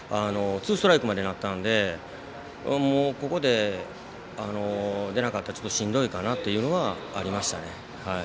ツーストライクまでなったのでここで出なかったらしんどいかなというのはありましたね。